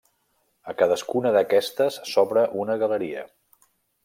A cadascuna d'aquestes s'obre una galeria.